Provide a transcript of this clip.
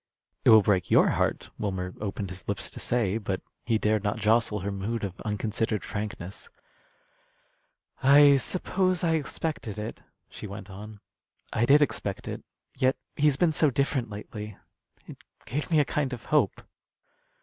"It will break your heart," Wilmer opened his lips to say; but he dared not jostle her mood of unconsidered frankness. "I suppose I expected it," she went on. "I did expect it. Yet he's been so different lately, it gave me a kind of hope."